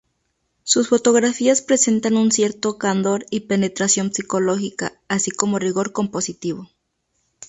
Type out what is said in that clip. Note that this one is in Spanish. Sus fotografías presentan un cierto candor y penetración psicológica, así como rigor compositivo.